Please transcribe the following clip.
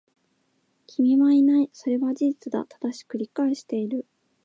君はいない。それは事実だ。正しく理解している。